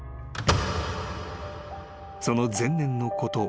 ［その前年のこと。